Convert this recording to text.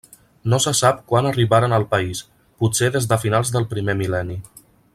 No se sap quan arribaren al país, potser des de finals del primer mil·lenni.